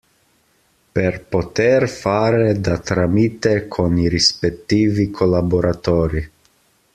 Per poter fare da tramite con i rispettivi collaboratori.